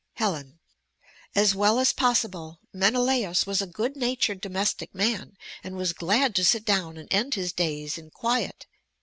Helen As well as possible. Menelaus was a good natured domestic man, and was glad to sit down and end his days in quiet.